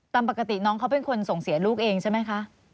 ตามปกติน้องเขาเป็นคนส่งเสียลูกเองใช่ไหมคะ